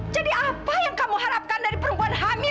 jadi apa yang kamu harapkan dari perempuan hamil